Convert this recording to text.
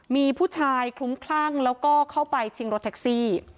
มีผู้ชายคลุ้มคลั่งแล้วก็เข้าไปชิงรถแท็กซี่